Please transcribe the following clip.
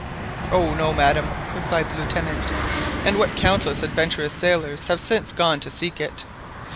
"Oh no, madam," replied the Lieutenant; "and what countless adventurous sailors have since gone to seek it!